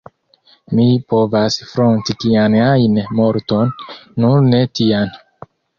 Mi povas fronti kian ajn morton, nur ne tian.